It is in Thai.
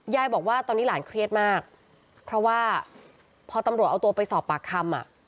ยายบอกว่าตอนนี้หลานเครียดมากเพราะว่าพอตำรวจเอาตัวไปสอบปากคำ